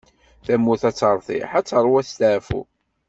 Tamurt ad teṛtiḥ, ad teṛwu asteɛfu.